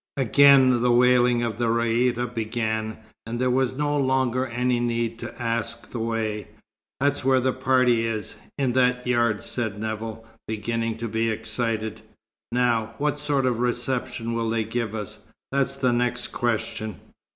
Again the wailing of the raïta began, and there was no longer any need to ask the way. "That's where the party is in that yard," said Nevill, beginning to be excited. "Now, what sort of reception will they give us? That's the next question."